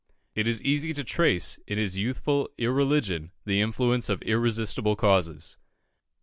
It is easy to trace in his youthful irreligion the influence of irresistible causes.